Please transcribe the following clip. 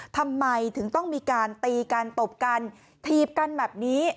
ทำไมถึงต้องมีการตีกันตบกันถีบกันแบบนี้